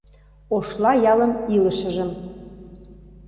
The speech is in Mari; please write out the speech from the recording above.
Ошла ялын илышыжым